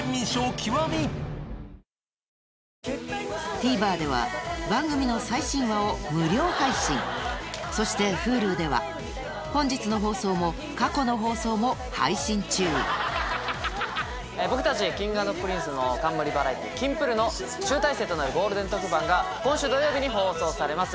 ＴＶｅｒでは番組の最新話を無料配信そしてＨｕｌｕでは本日の放送も過去の放送も配信中僕たちＫｉｎｇ＆Ｐｒｉｎｃｅの冠バラエティー『キンプる。』の集大成となるゴールデン特番が今週土曜日に放送されます。